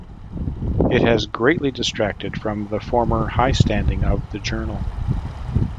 It has greatly detracted from the former high standing of the journal.